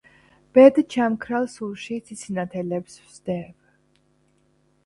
ბედჩამქრალ სულში ციცინათელებს ვსდე